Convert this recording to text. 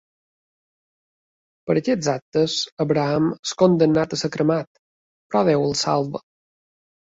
Per a aquests actes, Abraham és condemnat a ser cremat, però Déu el salva.